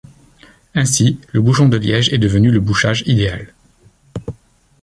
Ainsi, le bouchon de liège est devenu le bouchage idéal.